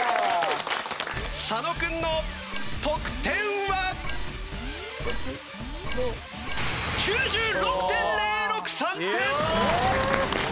佐野君の得点は！？９６．０６３点。